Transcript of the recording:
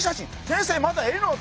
先生